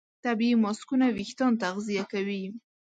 طبیعي ماسکونه وېښتيان تغذیه کوي.